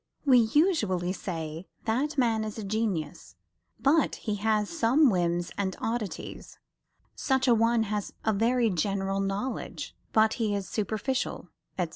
We usually say That man is a genius, but he has some whims and oddities Such a one has a very general knowledge, but he is superficial, etc.